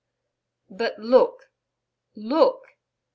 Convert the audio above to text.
'But look look!'